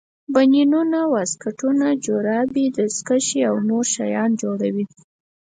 بنینونه واسکټونه جورابې دستکشې او نور شیان جوړوي.